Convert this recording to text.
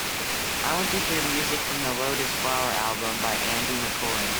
I want to hear music from the Lotus Flower album by Andy Mccoy